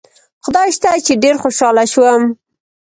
خدای شته چې ډېر خوشاله شوم.